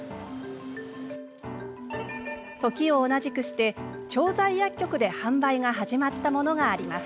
時を同じくして、調剤薬局で販売が始まったものがあります。